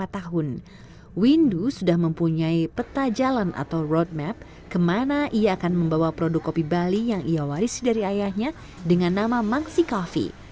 dan windows sudah mempunyai peta jalan atau roadmap kemana ia akan membawa produk kopi bali yang ia warisi dari ayahnya dengan nama mangsi coffee